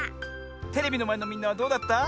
テレビのまえのみんなはどうだった？